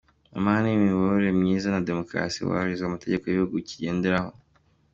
Amahame y’imiyoborere myiza na Demokarasi hubahirizwa amategeko y’igihugu kigenderaho.